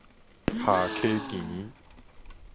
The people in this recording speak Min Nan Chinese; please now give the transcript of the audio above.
下溪墘